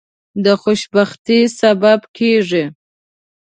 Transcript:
د خوشبختی سبب کیږي.